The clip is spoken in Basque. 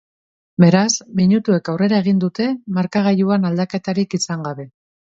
Beraz, minutuek aurrera egin dute markagailuan aldaketarik izan gabe.